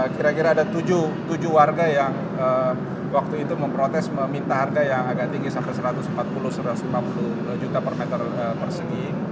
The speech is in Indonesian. kira kira ada tujuh warga yang waktu itu memprotes meminta harga yang agak tinggi sampai satu ratus empat puluh satu ratus lima puluh juta per meter persegi